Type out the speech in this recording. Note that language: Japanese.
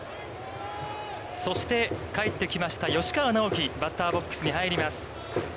そして、帰ってきました吉川尚輝、バッターボックスに入ります。